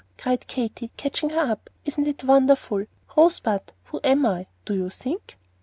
cried Katy, catching her up. "Isn't it wonderful? Rosebud, who am I, do you think?"